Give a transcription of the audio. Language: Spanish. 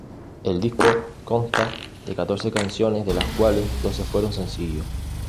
El disco consta de catorce canciones, de las cuales doce fueron Sencillo.